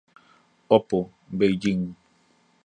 oppo, beijing